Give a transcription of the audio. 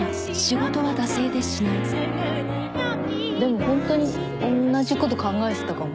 でもほんとに同じこと考えてたかも。